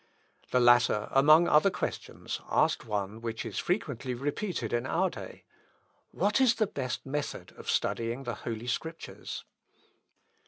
The latter, among other questions, asked one which is frequently repeated in our day, "What is the best method of studying the Holy Scriptures?"